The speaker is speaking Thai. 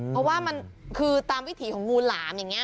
เพราะว่ามันคือตามวิถีของงูหลามอย่างนี้